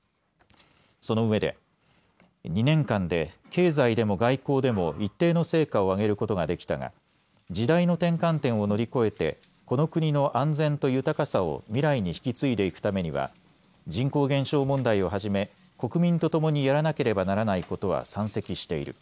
そのうえで２年間で経済でも外交でも一定の成果を上げることができたが時代の転換点を乗り越えてこの国の安全と豊かさを未来に引き継いでいくためには人口減少問題をはじめ国民とともにやらなければならないことは山積している。